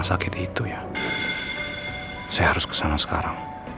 saya harus kusahakan sekarang